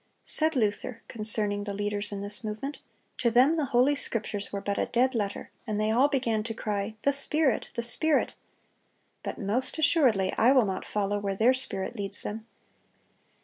Said Luther, concerning the leaders in this movement: "To them the Holy Scriptures were but a dead letter, and they all began to cry, 'The Spirit! the Spirit!' But most assuredly I will not follow where their spirit leads them.